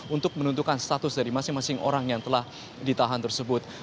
untuk menentukan status dari masing masing orang yang telah ditahan tersebut